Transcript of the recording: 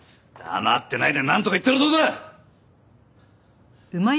黙ってないでなんとか言ったらどうだ！？